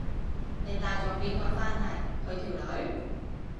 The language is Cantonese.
你帶咗邊個返嚟？佢條女？